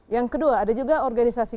yang kedua ada juga organisasi